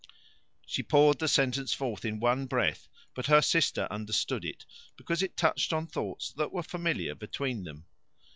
She poured the sentence forth in one breath, but her sister understood it, because it touched on thoughts that were familiar between them.